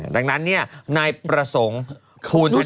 ดังนั้นในประสงค์คูณแท้เนต